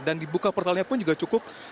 dan dibuka portalnya pun juga cukup